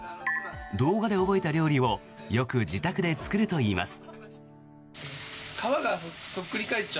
動画で覚えた料理をよく自宅で作るといいます。